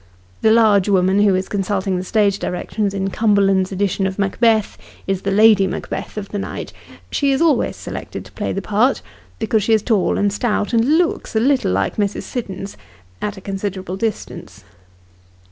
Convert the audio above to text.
The large woman, who is consulting the stage directions in 92 Sketches by Boz. Cumberland's edition of Macbeth, is the Lady Macbeth of the night ; she is always selected to play the part, because she is tall and stout, and looks a little like Mrs. Siddons at a considerable distance.